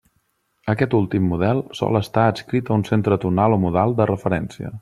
Aquest últim model sol estar adscrit a un centre tonal o modal de referència.